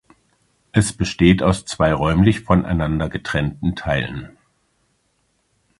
Es besteht aus zwei räumlich voneinander getrennten Teilen.